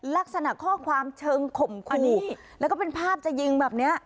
ลักษณะข้อความเชิงข่มขู่แล้วก็เป็นภาพจะยิงแบบเนี้ย